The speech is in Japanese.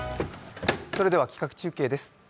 それでは企画中継です。